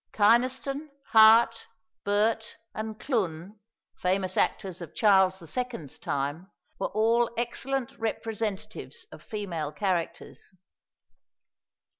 Kynaston, Hart, Burt, and Clun, famous actors of Charles II.'s time, were all excellent representatives of female characters.